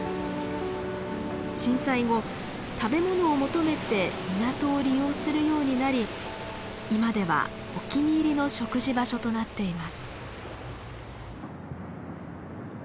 震災後食べ物を求めて港を利用するようになり今ではお気に入りの食事場所となっています。